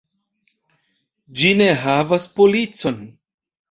Ĝi ne havas policon.